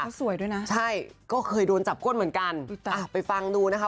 เขาสวยด้วยนะใช่ก็เคยโดนจับก้นเหมือนกันอ่ะไปฟังดูนะคะ